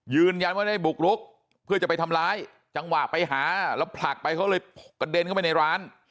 ยืนยันว่าได้บุกรุกเพื่อจะไปทำร้ายจังหวะไปหาแล้วผลักไปเขาเลยกระเด็นเข้าไปในร้าน